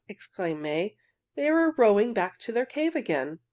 exclaimed May. "They are rowing back to their cave again!"